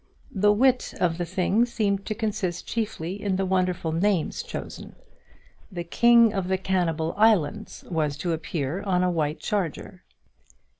The wit of the thing seemed to consist chiefly in the wonderful names chosen. The King of the Cannibal Islands was to appear on a white charger.